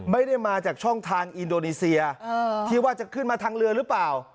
ไม่ได้มาจากช่องทางอินโดนีเซียที่ว่าจะขึ้นมาทางเรือหรือเปล่า